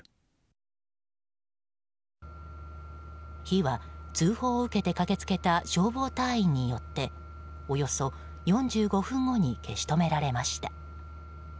火は通報を受けて駆け付けた消防隊員によっておよそ４５分後に消し止められました。